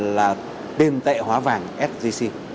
là tên tệ hóa vàng sgc